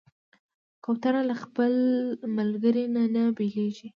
کوتره له خپل ملګري نه نه بېلېږي.